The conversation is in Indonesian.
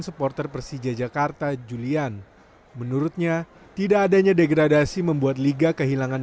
supporter persija jakarta julian menurutnya tidak adanya degradasi membuat liga kehilangan